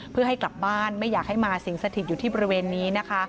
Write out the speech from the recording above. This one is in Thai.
เพื่อให้กลับบ้านไม่อยากให้มาสิงสถิตอยู่ที่บริเวณนี้นะคะ